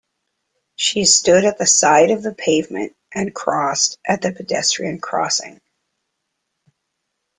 She stood at the side of the pavement, and crossed at the pedestrian crossing